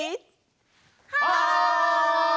はい！